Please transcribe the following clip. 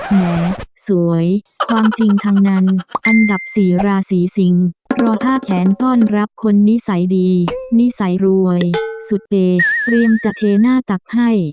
แหมสวยความจริงทั้งนั้นอันดับ๔ราศีสิงรอท่าแขนต้อนรับคนนิสัยดีนิสัยรวยสุดเปย์เตรียมจะเทหน้าตักให้